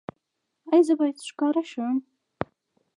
ایا زه باید ښکاره شم؟